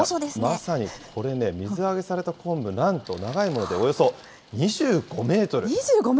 まさに、これね、水揚げされたコンブ、なんと長いものでおよ２５メートル？